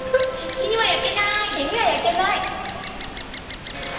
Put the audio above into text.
日には焼けない！